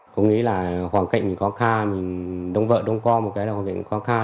cũng nghĩ là hoàn cảnh mình khó khăn mình đông vợ đông con một cái là hoàn cảnh mình khó khăn